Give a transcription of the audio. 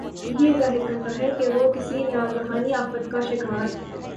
بھی یہ ظاہر کرتا ہے کہ وہ کسی ناگہانی آفت کا شکار